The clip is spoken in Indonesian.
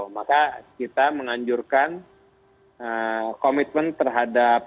maka kita menganjurkan komitmen terhadap